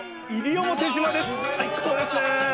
最高ですね！